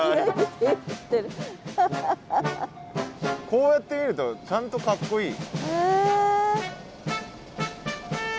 こうやって見るとちゃんとかっこいい。